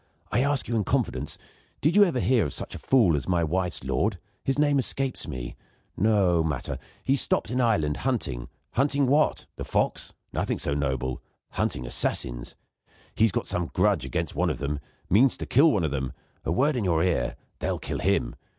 I ask you in confidence; did you ever hear of such a fool as my wife's lord? His name escapes me. No matter; he stops in Ireland hunting. Hunting what? The fox? Nothing so noble; hunting assassins. He's got some grudge against one of them. Means to kill one of them. A word in your ear; they'll kill him.